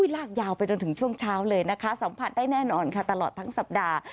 ลากยาวไปจนถึงช่วงเช้าเลยนะคะสัมผัสได้แน่นอนค่ะตลอดทั้งสัปดาห์